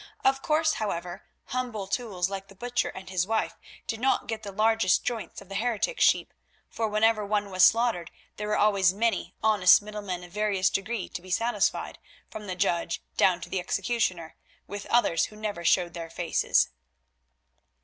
Of course, however, humble tools like the Butcher and his wife did not get the largest joints of the heretic sheep, for whenever one was slaughtered, there were always many honest middlemen of various degree to be satisfied, from the judge down to the executioner, with others who never showed their faces.